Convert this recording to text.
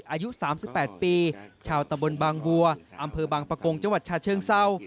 อายุ๓๘ปีชาวตะบนบางวัวอำเภอบางประกงจังหวัดชาเชิงเศร้า